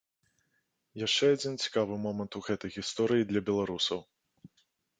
Яшчэ адзін цікавы момант у гэтай гісторыі для беларусаў.